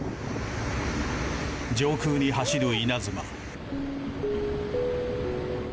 上空に走る稲妻。